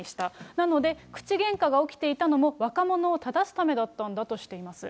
なので、口げんかが起きていたのも若者を正すためだったんだとしています。